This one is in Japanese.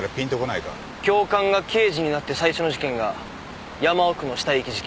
教官が刑事になって最初の事件が山奥の死体遺棄事件。